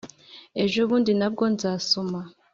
Ejobundi na bwo nzasoma